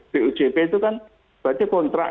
bujp itu kan berarti kontrak